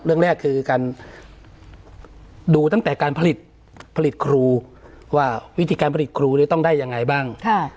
เรื่องแรกคือการดูตั้งแต่การผลิตครูว่าวิธีการผลิตครูเนี่ยต้องได้ยังไงบ้าง